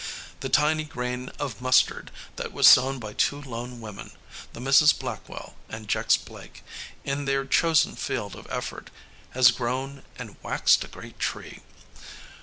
The tiny grain of mustard that was sown by two lone women, the Misses Blackwell and Jex Blake, in their chosen field of effort has grown and "waxed a great tree."